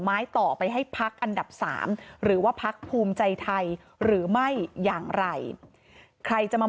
ต่อไปให้พักอันดับสามหรือว่าพักภูมิใจไทยหรือไม่อย่างไรใครจะมา